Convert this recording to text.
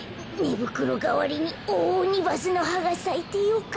ぶくろがわりにオオオニバスのはがさいてよかった。